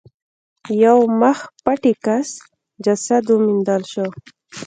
یو مخ پټي کس جسد وموندل شو.